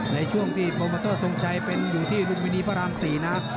ในช่วงที่โบรการมวยมากรับถุงชัยเป็นอยู่ที่ลุงบินีพระราม๔นะ